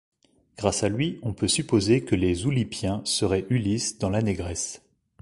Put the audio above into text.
Grâce à lui on peut supposer que les oulipiens seraient Ulysse dans la négresse.